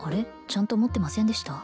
ちゃんと持ってませんでした？